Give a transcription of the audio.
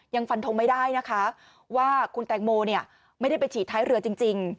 ยังฟันทงไม่ได้นะคะว่าคุณแตงโมไม่ได้ไปฉีดท้ายเรือจริง